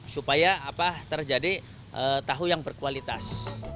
supaya terjadi tahu yang berkualitas